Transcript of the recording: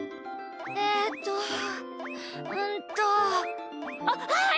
えっとうんとあっはい！